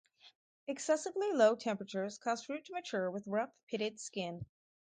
Excessively low temperatures cause fruit to mature with rough, pitted skin.